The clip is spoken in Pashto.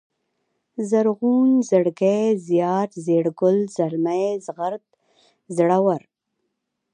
زرغون ، زړگی ، زيار ، زېړگل ، زلمی ، زغرد ، زړور